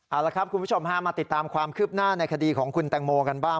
เอาละครับคุณผู้ชมฮะมาติดตามความคืบหน้าในคดีของคุณแตงโมกันบ้าง